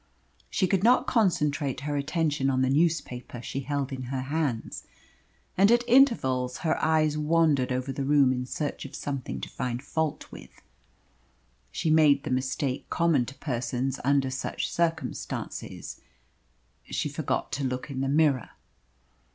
She could not concentrate her attention on the newspaper she held in her hands, and at intervals her eyes wandered over the room in search of something to find fault with. She made the mistake common to persons under such circumstances she forgot to look in the mirror.